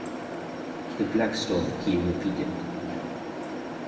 “The Black Stone,” he repeated.